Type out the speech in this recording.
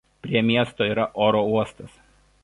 Prie miesto yra oro uostas.